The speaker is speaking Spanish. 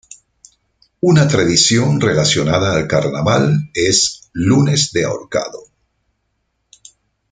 Una tradición relacionada al carnaval es "lunes de ahorcado".